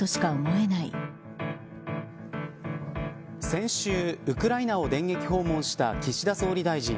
先週、ウクライナを電撃訪問した岸田総理大臣。